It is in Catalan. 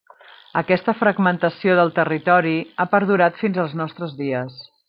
Aquesta fragmentació del territori ha perdurat fins als nostres dies.